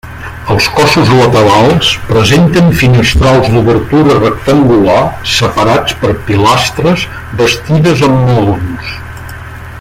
Els cossos laterals presenten finestrals d'obertura rectangular separats per pilastres bastides amb maons.